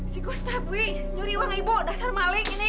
si gustaf wih nyuri uang ibu dasar maling ini